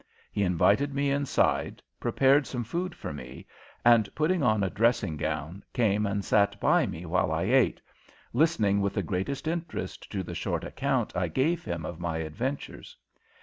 He invited me inside, prepared some food for me, and, putting on a dressing gown, came and sat by me while I ate, listening with the greatest interest to the short account I gave him of my adventures.